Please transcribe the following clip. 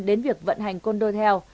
đến việc vận hành condotel